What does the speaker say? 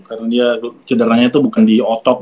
karena dia cenderangnya tuh bukan di otot